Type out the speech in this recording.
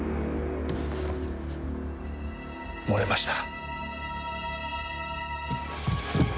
漏れました。